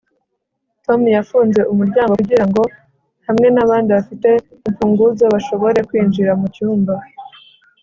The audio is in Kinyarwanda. tom yafunze umuryango kugirango we hamwe nabandi bafite imfunguzo bashobore kwinjira mucyumba